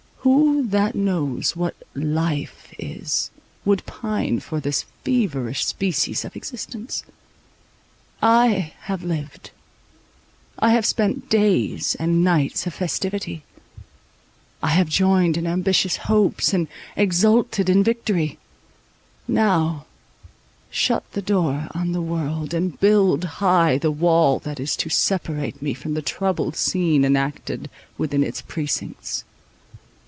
Who that knows what "life" is, would pine for this feverish species of existence? I have lived. I have spent days and nights of festivity; I have joined in ambitious hopes, and exulted in victory: now,—shut the door on the world, and build high the wall that is to separate me from the troubled scene enacted within its precincts.